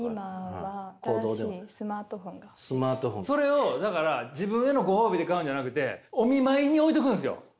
今はそれをだから自分へのご褒美で買うんじゃなくてお見舞いに置いとくんですよ。